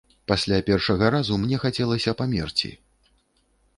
Пасля першага разу мне хацелася памерці.